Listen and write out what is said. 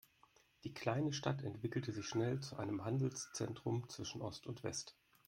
Die kleine Stadt entwickelte sich schnell zu einem Handelszentrum zwischen Ost und West.